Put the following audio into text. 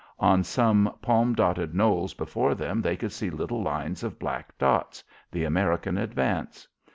On some palm dotted knolls before them they could see little lines of black dots the American advance.